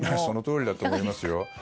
そのとおりだと思いますよ。